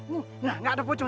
tidak ada pocong